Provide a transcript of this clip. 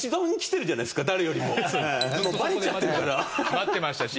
待ってましたし。